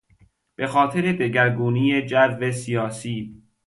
به خاطر دگرگونی جو سیاسی